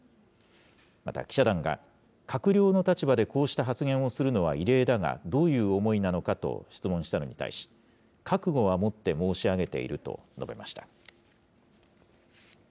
また記者団が、閣僚の立場でこうした発言をするのは異例だがどういう思いなのかと質問したのに対し、覚悟は持って申し上げていると述べました。